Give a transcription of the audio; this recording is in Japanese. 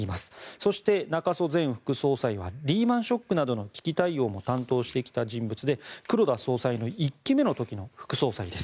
そして、中曽前副総裁はリーマン・ショックの危機対応もしてきた人物で黒田総裁の１期目の時の副総裁です。